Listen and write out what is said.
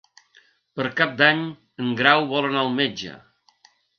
Per Cap d'Any en Grau vol anar al metge.